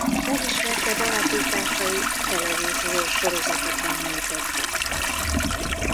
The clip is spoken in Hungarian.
Legismertebb alakításait televíziós sorozatokban nyújtotta.